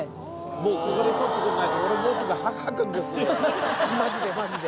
もう、ここで取ってくれないと、俺もうすぐ吐くんです、まじで、まじで。